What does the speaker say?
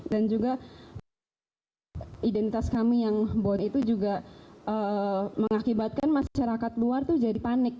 dan juga identitas kami yang bodoh itu juga mengakibatkan masyarakat luar itu jadi panik